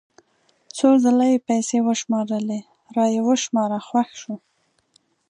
څو ځله یې پیسې وشمارلې را یې وشماره خوښ شو.